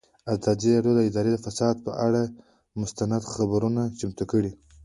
ازادي راډیو د اداري فساد پر اړه مستند خپرونه چمتو کړې.